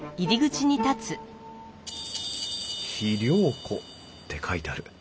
「肥料庫」って書いてある。